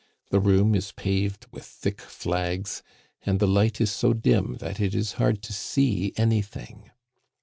The room is paved with thick flags, and the light is so dim that it is hard to see anything.